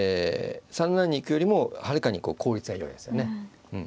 ３七に行くよりもはるかに効率がよいやつだねうん。